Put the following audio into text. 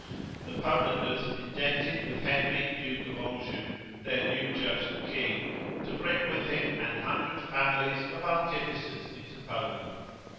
The Polanders indented with Henry Duke of Anjou, their new chosen king, to bring with him an hundred families of artificers into Poland.